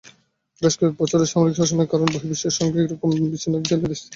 বেশ কয়েক বছরের সামরিক শাসনের কারণে বহির্বিশ্বের সঙ্গে একরকম বিচ্ছিন্ন ছিল দেশটি।